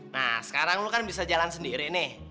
nah sekarang lo kan bisa jalan sendiri nih